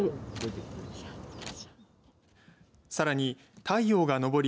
さらに太陽が昇り